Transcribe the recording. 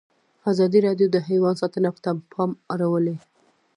ازادي راډیو د حیوان ساتنه ته پام اړولی.